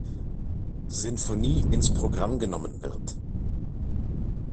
Sinfonie ins Programm genommen wird.